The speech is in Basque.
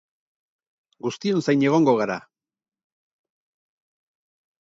Guztion zain egongo gara!